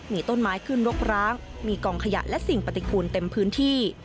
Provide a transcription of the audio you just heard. มีต้นไม้ขึ้นรกร้างมีกองขยะและสิ่งปฏิกูลเต็มพื้นที่